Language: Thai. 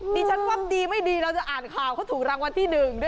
ดิฉันว่าดีไม่ดีเราจะอ่านข่าวเขาถูกรางวัลที่๑ด้วย